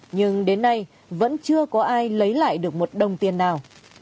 nhưng đến nay vẫn chưa có ai lấy lại được một đồng tiền nào